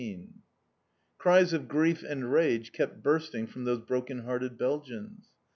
Cries of grief and rage kept bursting from those broken hearted Belgians.